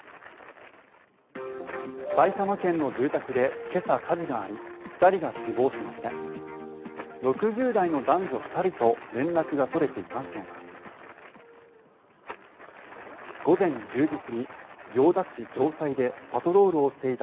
埼玉県の住宅で今朝、火事があり２人が死亡しました。